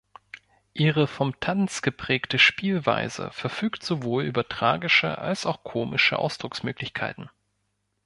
Ihre vom Tanz geprägte Spielweise verfügt sowohl über tragische als auch komische Ausdrucksmöglichkeiten.